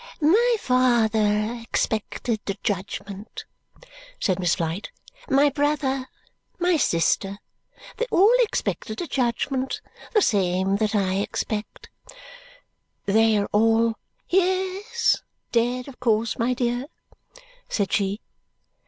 "My father expected a judgment," said Miss Flite. "My brother. My sister. They all expected a judgment. The same that I expect." "They are all " "Ye es. Dead of course, my dear," said she.